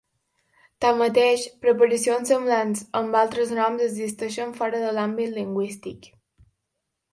Tanmateix, preparacions semblants amb altres noms existeixen fora de l'àmbit lingüístic.